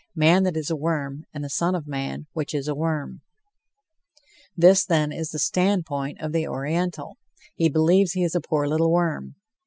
Man that is a worm, and the son of man, which is a worm." This, then, is the standpoint of the Oriental. He believes he is a poor little worm.